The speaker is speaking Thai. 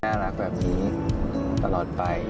รักแบบนี้ตลอดไป